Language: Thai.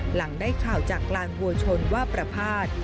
หลังได้ข่าวจากกลางวัวชนว่าประพาท